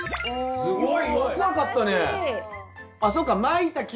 すごい。